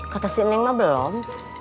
kata si neng mah belum